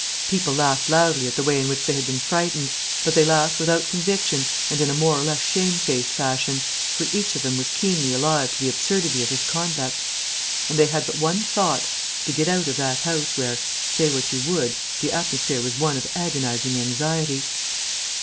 People laughed loudly at the way in which they had been frightened, but they laughed without conviction and in a more or less shamefaced fashion, for each of them was keenly alive to the absurdity of his conduct. And they had but one thought to get out of that house where, say what you would, the atmosphere was one of agonizing anxiety.